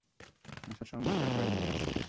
আসার সময় মশার কয়েল নিয়ে এসো।